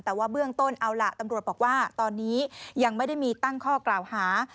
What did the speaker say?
แต่ว่าเบื้องต้นเอาล่ะตำรวจบอกว่าตอนนี้ยังไม่ได้มีตั้งข้อกล่าวหา